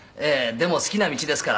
でも好きな道ですから”